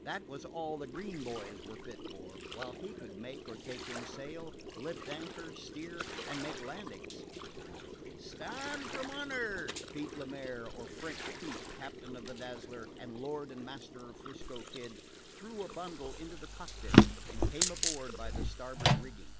That was all the green boys were fit for, while he could make or take in sail, lift anchor, steer, and make landings. "Stan' from un'er!" Pete Le Maire or "French Pete," captain of the Dazzler and lord and master of 'Frisco Kid, threw a bundle into the cockpit and came aboard by the starboard rigging.